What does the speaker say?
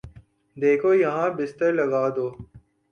دیکھو یہاں بستر لگادو